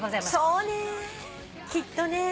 そうねきっとね。